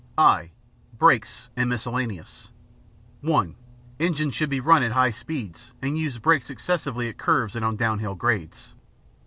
(i) Brakes and Miscellaneous (1) Engines should run at high speeds and use brakes excessively at curves and on downhill grades.